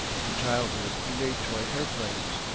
In childhood he made toy airplanes.